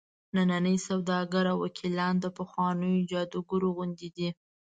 ننني سوداګر او وکیلان د پخوانیو جادوګرو غوندې دي.